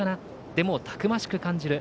でも、たくましく感じる。